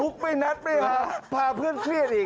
มุกไม่นัดพาเพื่อนเครียดอีก